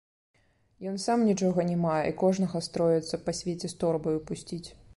Ён сам нічога не мае і кожнага строіцца па свеце з торбаю пусціць.